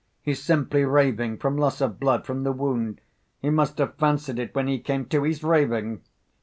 "He's simply raving, from loss of blood, from the wound. He must have fancied it when he came to.... He's raving."